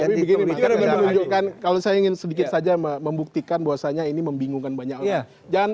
tapi begini menunjukkan kalau saya ingin sedikit saja membuktikan bahwasannya ini membingungkan banyak orang